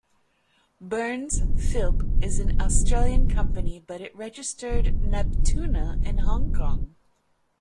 Burns, Philp is an Australian company but it registered "Neptuna" in Hong Kong.